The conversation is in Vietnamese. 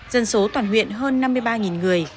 dân số toàn huyện hơn năm mươi ba người